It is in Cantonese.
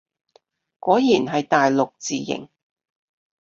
果然係大陸字形